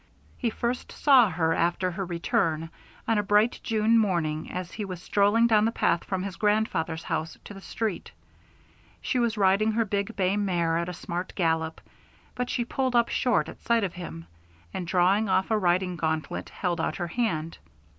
He first saw her, after her return, on a bright June morning as he was strolling down the path from his grandfather's house to the street. She was riding her big bay mare at a smart gallop, but she pulled up short at sight of him, and drawing off a riding gauntlet held out her hand.